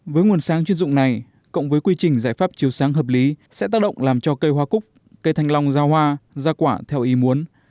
với nguồn sáng chuyên dụng này cộng với quy trình giải pháp chiều sáng hợp lý sẽ tác động làm cho cây hoa cúc cây thanh long giao hoa rau quả theo ý muốn